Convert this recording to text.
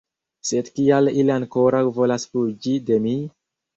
Sed kial ili ankoraŭ volas fuĝi de mi?